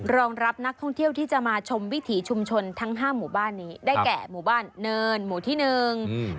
รองรับนักท่องเที่ยวที่จะมาชมวิถีชุมชนทั้งห้าหมู่บ้านนี้ได้แก่หมู่บ้านเนินหมู่ที่หนึ่งอืม